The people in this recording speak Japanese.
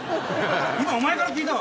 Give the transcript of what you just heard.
今、おまえから聞いたわ。